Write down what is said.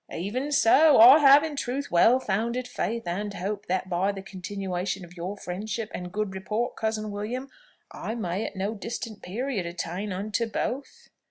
"Even so. I have, in truth, well founded faith and hope that by the continuation of your friendship and good report, cousin William, I may at no distant period attain unto both."